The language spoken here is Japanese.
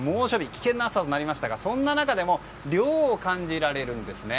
危険な暑さとなりましたがそんな中でも涼を感じられるんですね。